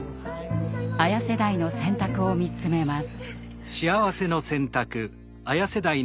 ＡＹＡ世代の選択を見つめます。